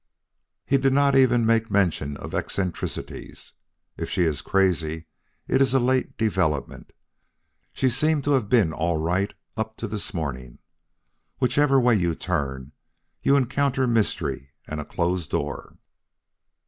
He did not even make mention of eccentricities. If she is crazy, it is a late development. She seemed to have been all right up to this morning. Whichever way you turn, you encounter mystery and a closed door."